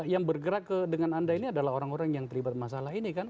yang bergerak dengan anda ini adalah orang orang yang terlibat masalah ini kan